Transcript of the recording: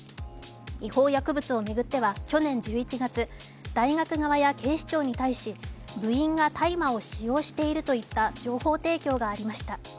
違法薬物を巡っては去年１１月、大学側や警視庁に対し部員が大麻を使用しているといった情報提供がありました。